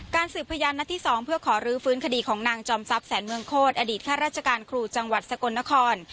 สืบพยานนัดที่๒เพื่อขอรื้อฟื้นคดีของนางจอมทรัพย์แสนเมืองโคตรอดีตข้าราชการครูจังหวัดสกลนคร